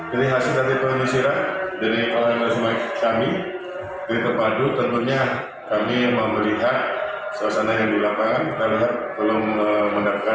dari hasil dari penyisiran dari kalau yang berhasil baik kami dari terpadu tentunya kami memelihat suasana yang dilapang kita lihat belum mendapatkan